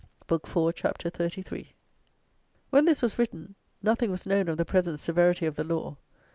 (Book 4, Chapter 33.) When this was written nothing was known of the present severity of the law.